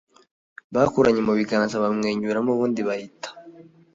bakoranye mu biganza bamwenyuramo ubundi bahita